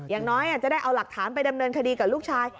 อย่างน้อยจะได้เอาหลักฐานไปดำเนินคดีกับลูกชาย